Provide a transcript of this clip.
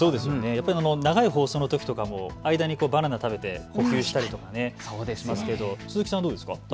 やっぱり長い放送のときとか間にバナナ食べて補給したりとかしますけど鈴木さんはどうですか。